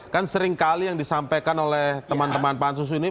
kan seringkali yang disampaikan oleh teman teman pansus ini